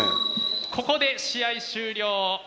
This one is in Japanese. ここで試合終了。